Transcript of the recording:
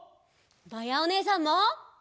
まやおねえさんも。